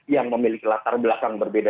yang memiliki latar belakang berbeda